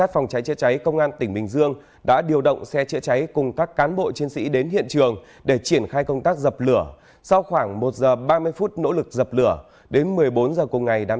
phòng cảnh sát kinh tế công an tỉnh quảng nam